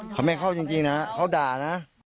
เขาไม่เข้าจริงนะเขาด่านะ